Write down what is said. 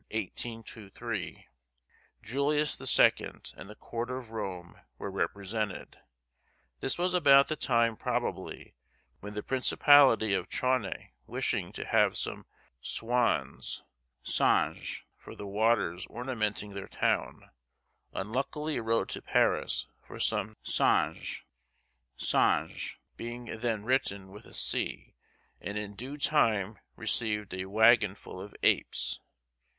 1823, Julius the Second and the Court of Rome were represented. This was about the time probably when the principality of Chauny wishing to have some swans (cignes) for the waters ornamenting their town, unluckily wrote to Paris for some cinges (singe being then written with a c), and in due time received a wagonful of apes.